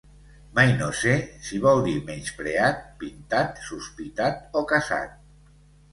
Mai no sé si vol dir menyspreat, pintat, sospitat o casat.